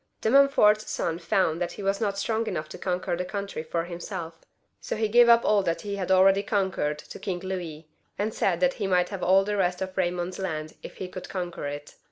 De Montfort's son found that he was not strong enough to conquer the country for himself; so he gave up all that he had already conquered to King Louis, and said he might have all the rest of Baymond's land if he could conquer it.